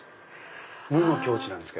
無の境地なんですか？